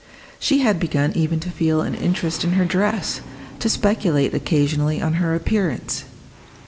She had begun even to feel an interest in her dress, to speculate occasionally on her appearance.